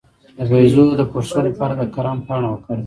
د بیضو د پړسوب لپاره د کرم پاڼه وکاروئ